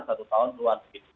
satu tahun keluar